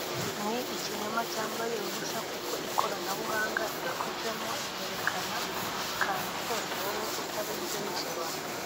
ni ikinyoma cyambaye ubusa kuko ikoranabuhanga ikozemo ryekana buri kantu kose wowe utarinze wisobanura